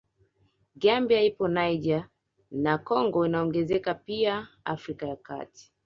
Gambia ipo pia Niger na Congo inaongenzeka pia Afrika ya Kati